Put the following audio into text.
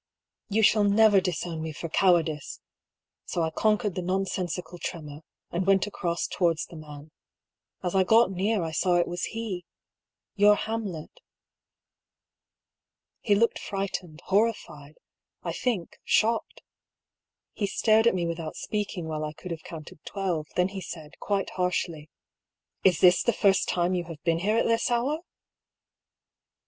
You shall never disown me for cowardice 1 So I conquered the nonsensical tremor, and went across FOUND IN AN OLD NOTEBOOK OF LILIA PYM'S. I33 towards the man. As I got near, I saw it was he — ^your Hamlet He looked frightened, horrified — I think, shocked. He stared at me without speaking while I could have counted twelve ; then he said, quite harshly :^^ Is this the first time you have been here at this hour